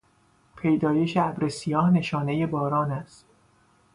پیدایش ابر سیاه نشانهی باران است.